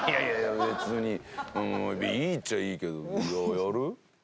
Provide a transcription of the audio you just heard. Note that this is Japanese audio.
別にいいっちゃいいけどじゃあやる？